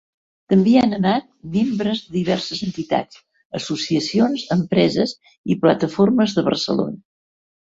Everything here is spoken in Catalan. També hi han anat membres de diverses entitats, associacions, empreses i plataformes de Barcelona.